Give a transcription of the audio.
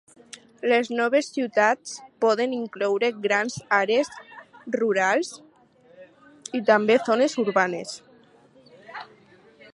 Les noves "ciutats" poden incloure grans àrees rurals i també zones urbanes.